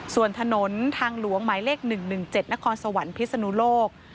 ส่วนถนนทางหลวงหมายเลข๑๑๗นครสวรรค์พิศนุโลก